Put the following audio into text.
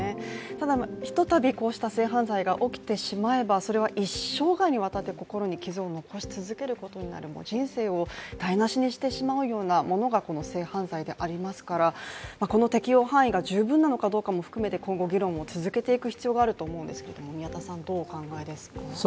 ただ、一たびこうした性犯罪が起こってしまえばそれは一生涯にわたって心に傷を残し続けることになる人生を台無しにしてしまうようなものがこの性犯罪でありますからこの適用範囲が十分なのかも含めて今後議論を続けていく必要があるかと思うんですが、どうお考えですか。